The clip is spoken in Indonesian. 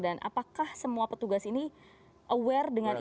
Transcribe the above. dan apakah semua petugas ini aware dengan itu